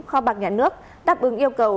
kho bạc nhà nước đáp ứng yêu cầu